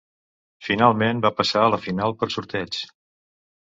Finalment va passar a la final per sorteig.